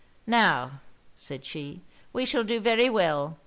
'Now,' said she, 'we shall do very well.